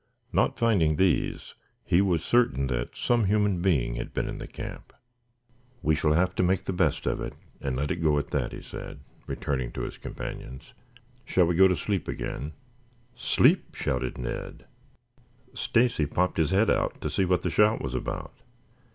Not finding these he was certain that some human being had been in the camp. "We shall have to make the best of it and let it go at that," he said, returning to his companions. "Shall we go to sleep again?" "Sleep!" shouted Ned. Stacy popped his head out to see what the shout was about.